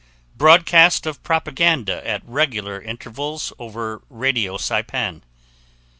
Broadcast of propaganda at regular intervals over radio Saipan.